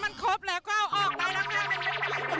มันครบแล้วก็เอาออกมาแล้วค่ะ